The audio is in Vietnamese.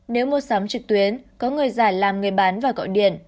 nếu mua sắm trực tuyến có người giải làm người bán và gọi điện